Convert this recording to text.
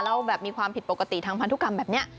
แล้วแบบมีความผิดปกติทางพันธุกรรมแบบนี้